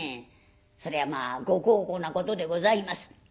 そりゃまあご孝行なことでございます。